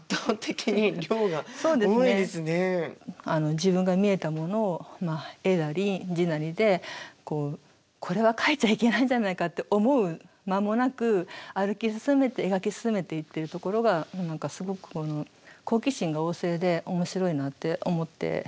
自分が見えたものを絵なり字なりでこれは描いちゃいけないんじゃないかって思う間もなく歩き進めて描き進めていってるところがすごく好奇心が旺盛で面白いなって思っていました。